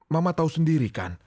mama tau sendiri kan